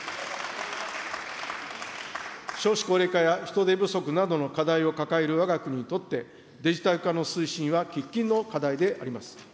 少子高齢化や人手不足などの課題を抱えるわが国にとって、デジタル化の推進は喫緊の課題であります。